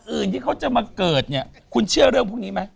อื่นที่เขาจะมาเกิดเนี่ยคุณเชื่อเรื่องพวกนี้ไหม